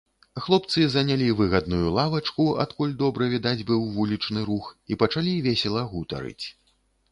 Хлопцы занялі выгадную лавачку, адкуль добра відаць быў вулічны рух, і пачалі весела гутарыць.